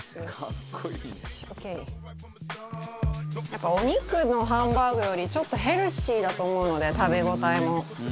やっぱお肉のハンバーグよりちょっとヘルシーだと思うので食べ応えも。